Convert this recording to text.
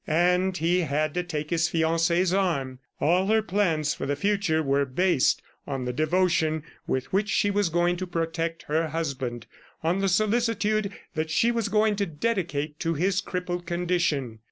And he had to take his fiancee's arm. All her plans for the future were based on the devotion with which she was going to protect her husband, on the solicitude that she was going to dedicate to his crippled condition.